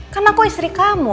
kan aku istri kamu